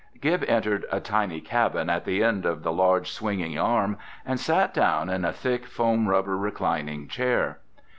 Gib entered a tiny cabin at the end of the large swinging arm and sat down in a thick foam rubber reclining chair.